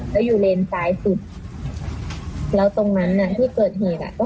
แล้วอยู่เลนซ้ายสุดแล้วตรงนั้นน่ะที่เกิดเหตุอ่ะก็